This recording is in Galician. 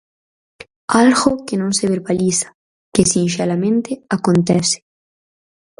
Algo que non se verbaliza, que sinxelamente acontece.